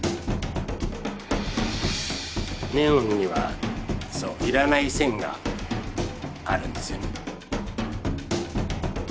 ネオンには要らない線があるんですよね。